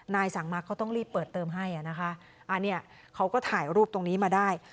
สั่งมาเขาต้องรีบเปิดเติมให้อ่ะนะคะอันนี้เขาก็ถ่ายรูปตรงนี้มาได้